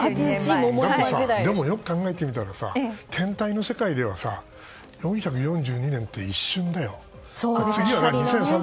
でもよく考えてみたら天体の世界では４４２年って一瞬だよ。